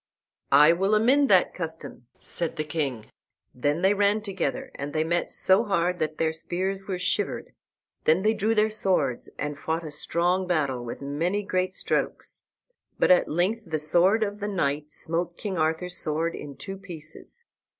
"I will amend that custom," said the king. Then they ran together, and they met so hard that their spears were shivered. Then they drew their swords and fought a strong battle, with many great strokes. But at length the sword of the knight smote King Arthur's sword in two pieces.